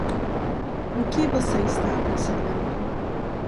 O que você está aconselhando?